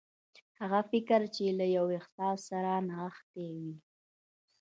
هغه فکر چې له يوه احساس سره نغښتي وي.